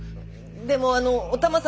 でもあのお玉さん